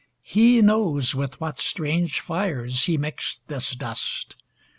He knows with what strange fires He mixed this dust.